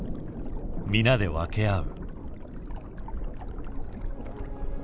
皆で分け合う。